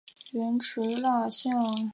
发射器的瞄准具安装在照门座以上。